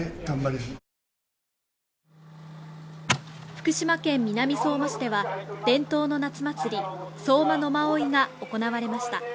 福島県南相馬市では伝統の夏祭り、相馬野馬追が行われました。